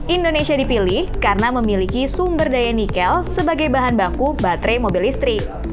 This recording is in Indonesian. indonesia dipilih karena memiliki sumber daya nikel sebagai bahan baku baterai mobil listrik